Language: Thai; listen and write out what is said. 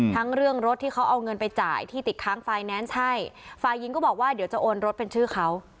ทั้งเรื่องรถที่เขาเอาเงินไปจ่ายที่ติดค้างไฟแนนซ์ใช่ฝ่ายหญิงก็บอกว่าเดี๋ยวจะโอนรถเป็นชื่อเขา